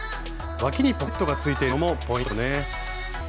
わきにポケットがついているのもポイントですよね。